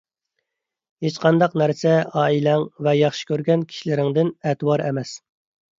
ھېچقانداق نەرسە ئائىلەڭ ۋە ياخشى كۆرگەن كىشىلىرىڭدىن ئەتىۋار ئەمەس.